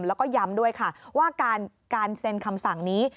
แล้วก็ย้ำด้วยค่ะว่าการเซ็นคำสั่งนี้